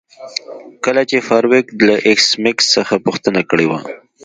کله چې فارویک له ایس میکس څخه پوښتنه کړې وه